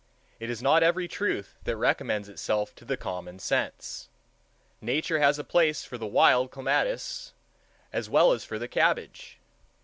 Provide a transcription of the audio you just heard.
It is not every truth that recommends itself to the common sense. Nature has a place for the wild clematis as well as for the cabbage.